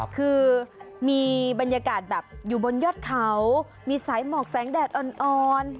คือมีบรรยากาศแบบอยู่บนยอดเขามีสายหมอกแสงแดดอ่อน